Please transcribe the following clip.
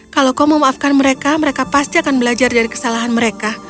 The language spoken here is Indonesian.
kalau kau memaafkan mereka mereka pasti akan belajar dari kesalahan mereka